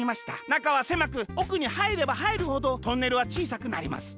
なかはせまくおくにはいればはいるほどトンネルはちいさくなります。